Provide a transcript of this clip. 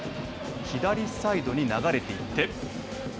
左サイドに流れていって。